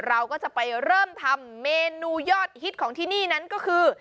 เราก็จะไปเริ่มทำเมนูยอดฮิตของที่นี่นั้นก็คือ